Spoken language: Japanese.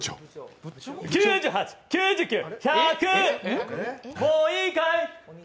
９８、９９、１００、もういいかい？